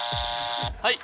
はい。